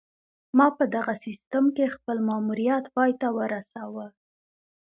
ما په دغه سیستم کې خپل ماموریت پای ته ورسوو